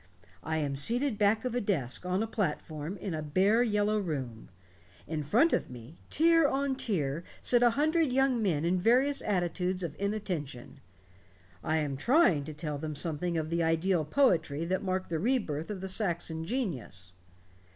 "I am seated back of a desk on a platform in a bare yellow room. In front of me, tier on tier, sit a hundred young men in various attitudes of inattention. I am trying to tell them something of the ideal poetry that marked the rebirth of the Saxon genius.